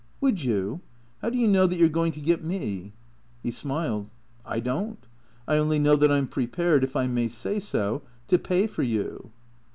" Would you ? How do you know that you 're going to get me?" He smiled. " I don't. I only know that I 'm prepared, if I may say so, to pay for you."